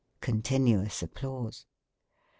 (Continuous applause.)